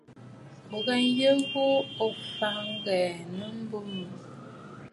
Ò ghɛ nyweʼe ghu, ò faʼà ŋ̀ghɛɛ nɨ̂ àbô màʼà.